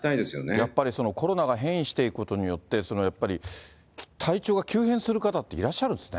やっぱりコロナが変異していくことによって、やっぱり体調が急変する方っていらっしゃるんですね。